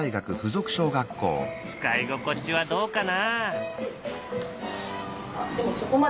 使い心地はどうかな？